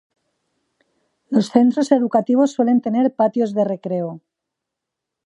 Los centros educativos suelen tener patios de recreo.